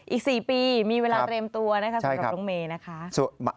อีก๔ปีมีเวลาเตรียมตัวนะคะสำหรับน้องเมย์นะคะ